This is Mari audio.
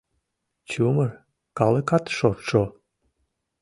Чумыр калыкат шортшо!